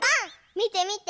みてみて。